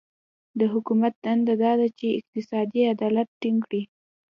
د حکومت دنده دا ده چې اقتصادي عدالت ټینګ کړي.